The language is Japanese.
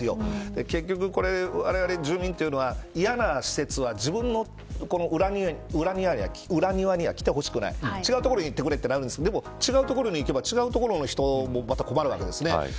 結局、われわれ住民というのはいやな施設は、自分の裏庭には来て欲しくない違う所に行ってくれとなるんですがでも違う所に行けば違う所の人もまた困るわけです。